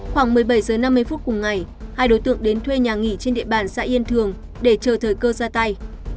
khoảng một mươi bảy h năm mươi phút cùng ngày hai đối tượng đến thuê nhà nghỉ trên địa bàn xã yên thường để chờ thời cơ ra tay